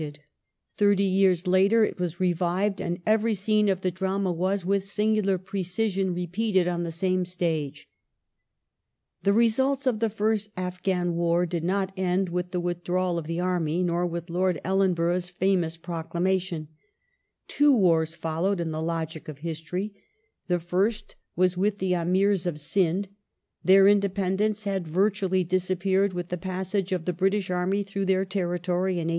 272 GROWTH OF THE BRITISH POWER IN INDIA [1740 Thirty years later it was revived, and every scene of the drama was, with singular precision, repeated on the same stage. Conquest The results of the first Afghan Wai did not end with the with nexation ^^^^^^^^^^^ army, nor with Lord Ellenborough's famous pro of Sind, clamation. Two wai*s followed in the logic of history. The first ^^^ was with the Amirs of Sind. Their independence had virtually disappeared with the passage of the British army through their tenitoiy in 1839.